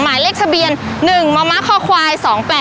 หมายเลขทะเบียน๑มมคควาย๒๘๘